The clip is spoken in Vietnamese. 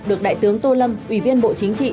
được đại tướng tô lâm ủy viên bộ chính trị